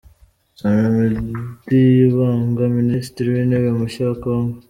Samy Badibanga Minisitiri w’Intebe mushya wa Congo